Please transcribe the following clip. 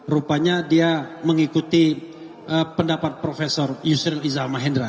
rupanya dia mengikuti pendapat prof yusril izal mahendra